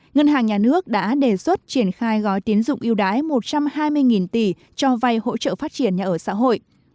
ngân hàng nhà nước đã đề xuất triển khai gói tiến dụng yêu đái một trăm hai mươi tỷ cho vay hỗ trợ phát triển nhà ở xã hội